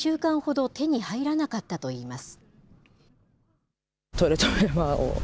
生理用品は１週間ほど手に入らなかったといいます。